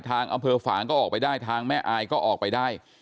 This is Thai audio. ทางอำเภอฝางก็ออกไปได้ทางแม่อายก็ออกไปได้